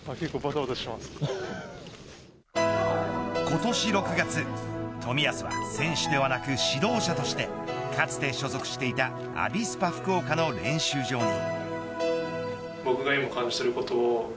今年６月冨安は選手ではなく指導者としてかつて所属していたアビスパ福岡の練習場に。